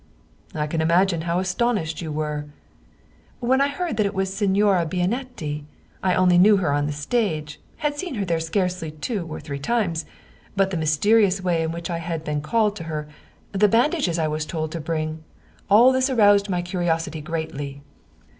" I can imagine how astonished you were " "When I heard that it was Signora Bianetti! I only knew her on the stage had seen her there scarcely two or three times. But the mysterious way in which I had been 86 Wilhelm Hauff called to her, the bandages I was told to bring, all this aroused my curiosity greatly.